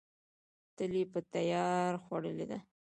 تل یې په تیار خوړلې ده.